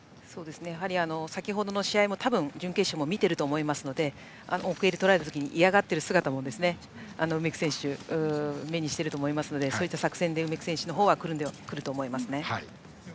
先程の試合の準決勝も見ていると思いますので奥襟を取られた時に嫌がっている姿も梅木選手は目にしているのでそういった作戦で梅木選手の方は来ると思います。